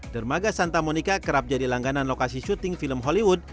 dermaga santa monica kerap jadi langganan lokasi syuting film hollywood